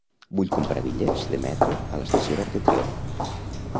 Vull comprar bitllets de metro a l'estació d'Arc de Triomf.